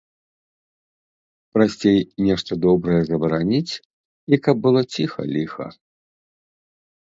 Прасцей нешта добрае забараніць, і каб было ціха-ліха.